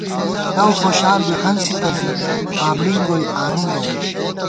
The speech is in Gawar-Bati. لؤخوشال بی ہنسِتہ زِی، بابڑِنگ گوئی آنُم بہ مُوئی